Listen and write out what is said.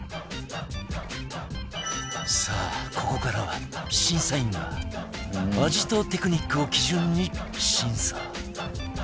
さあここからは審査員が味とテクニックを基準に審査